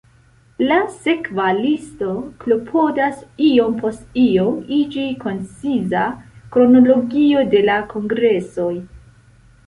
La sekva listo klopodas iom post iom iĝi konciza kronologio de la kongresoj.